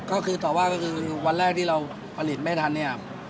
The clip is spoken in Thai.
ก็คือวันแรกที่เราผลิตไม่ทันเนี้ย